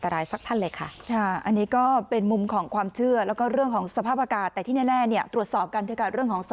ท่านสมัสก็ได้ยินท่านสมัสก็ได้ยิน